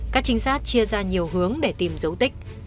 các trinh sát chia ra nhiều hướng để tìm dấu tích